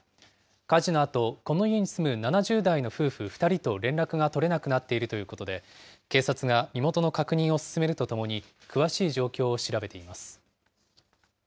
火事のあと、この家に住む７０代の夫婦２人と連絡が取れなくなっているということで、警察が身元の確認を進めるとともに、詳しい状況を調べています。